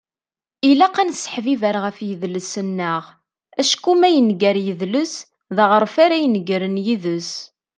Ilaq ad nesseḥbiber ɣef yidles-nneɣ. Acku ma yenger yidles, d aɣref ara inegren yid-s.